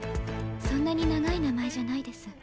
そんなに長い名前じゃないです。